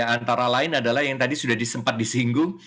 antara lain adalah yang tadi sudah sempat disinggung